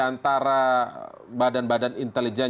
antara badan badan intelijen